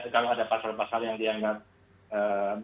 kalau ada pasal pasal yang dianggap